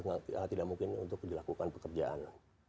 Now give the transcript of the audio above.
berkabut sudah tidak mungkin untuk dilakukan pekerjaan